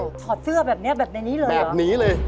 ถอดเสื้อแบบเนี้ยแบบในนี้เลยแบบนี้เลย